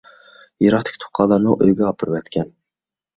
يىراقتىكى تۇغقانلارنىڭ ئۆيىگە ئاپىرىۋەتكەن.